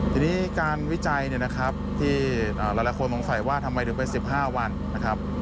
ทีนี้การวิจัยที่หลายคนวงใสว่าทำไมถึงไป๑๕วันนะครับ